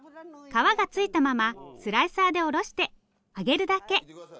皮がついたままスライサーでおろして揚げるだけ。